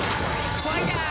ファイヤー！